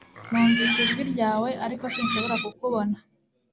Numvise ijwi ryawe, ariko sinshobora kukubona